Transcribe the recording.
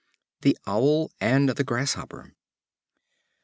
The Owl and the Grasshopper.